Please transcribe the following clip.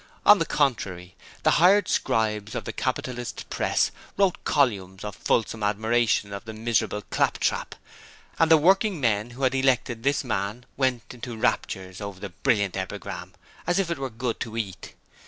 On the contrary, the hired scribes of the capitalist Press wrote columns of fulsome admiration of the miserable claptrap, and the working men who had elected this man went into raptures over the 'Brilliant Epigram' as if it were good to eat.